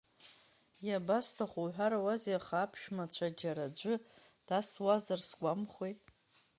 Иабасҭаху уҳәарауазеи, аха аԥшәмацәа џьара аӡәы дасуазар сгәамхәи!